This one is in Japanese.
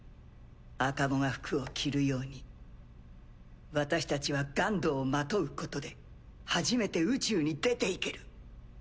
赤子が服を着るように私たちはＧＵＮＤをまとうことで初めて宇宙に出ていける。